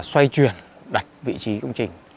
xoay truyền đặt vị trí công trình